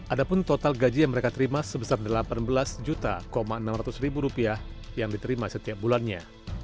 ada pun total gaji yang mereka terima sebesar rp delapan belas enam ratus yang diterima setiap bulannya